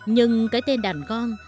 nhưng cái tên đàn gong